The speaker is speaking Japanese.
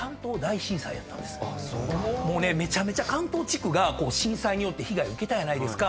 もうねめちゃめちゃ関東地区が震災によって被害受けたやないですか。